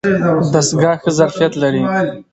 دستګاه ښه ظرفیت لري.